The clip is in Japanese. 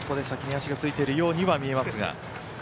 先に足がついているようにも見えますが。